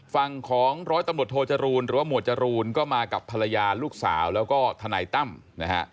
ฝั่งของร้อยตำรวจโทจรูลหรือว่าหมวดจรูนก็มากับภรรยาลูกสาวแล้วก็ทนายตั้มนะฮะ